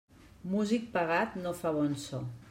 Músic pagat no fa bon so.